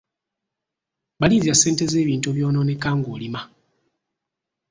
Balirira ssente z’ebintu ebyonooneka ng’olima.